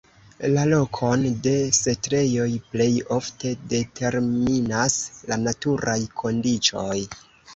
La lokon de setlejoj plej ofte determinas la naturaj kondiĉoj.